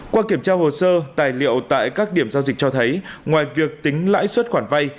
qua kiểm tra hồ sơ tài liệu tại các điểm giao dịch cho thấy ngoài việc tính lãi suất khoản vay